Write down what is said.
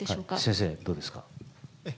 先生、どうですか。